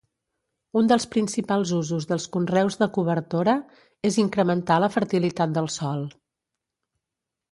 Un dels principals usos dels conreus de cobertora és incrementar la fertilitat del sòl.